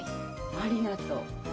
ありがとう。